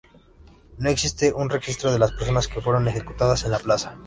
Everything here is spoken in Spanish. No existe un registro de las personas que fueron ejecutadas en la plaza.